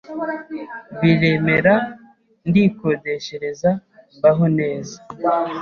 biremera ndikodeshereza mbaho neza